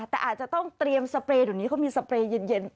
แต่อาจจะต้องเตรียมสเปรย์เดี๋ยวนี้เขามีสเปรย์เย็น